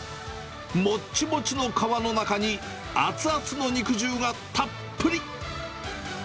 もっちもちの皮の中に、熱々の肉汁がたっぷり。